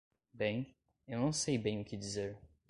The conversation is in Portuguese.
Bem, eu não sei bem o que dizer.